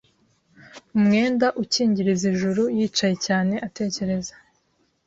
umwenda ukingiriza ijuru yicaye cyane atekereza